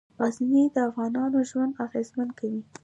غزني د افغانانو ژوند اغېزمن کوي.